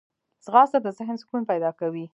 ځغاسته د ذهن سکون پیدا کوي